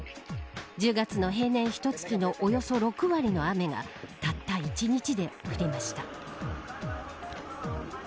１０月の平年ひと月のおよそ６割の雨がたった１日で降りました。